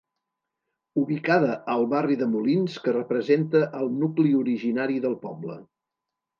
Ubicada al barri de Molins que representa el nucli originari del poble.